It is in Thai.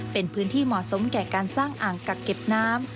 เป็นพื้นที่เหมาะสมแก่การสร้างอ่างกักเก็บน้ำ